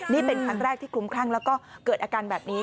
นี่เป็นครั้งแรกที่คลุ้มคลั่งแล้วก็เกิดอาการแบบนี้